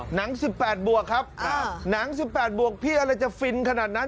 หนังสิบแปดบวกครับอ่าหนังสิบแปดบวกพี่อะไรจะฟินขนาดนั้น